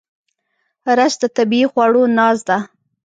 رس د طبیعي خواړو ناز ده